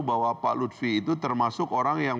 bahwa pak lutfi itu termasuk orang yang